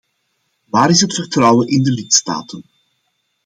Waar is het vertrouwen in de lidstaten?